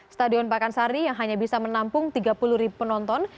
stadion pakansari yang hanya bisa menampung tiga puluh ribu penonton